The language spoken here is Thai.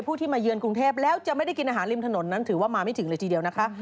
ผู้ที่มาเยือนกรุงเทพแล้วจะไม่ได้กินอาหารริมถนนนั้นถือว่ามาไม่ถึงเลยทีเดียวนะคะ